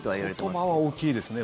言葉は大きいですね。